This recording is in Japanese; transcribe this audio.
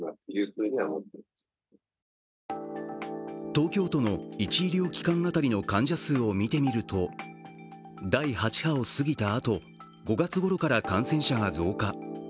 東京都の１医療機関当たりの患者数を見てみると第８波を過ぎたあと、５月ごろから感染者が増加。